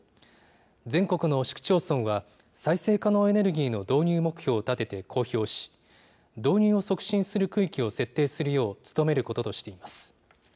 全国の市区町村は、再生可能エネルギーの導入目標を立てて公表し、導入を促進する区域を設定するよう努めることとしています。